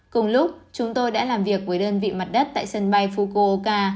cùng lúc chúng tôi đã làm việc với đơn vị mặt đất tại sân bay fukoka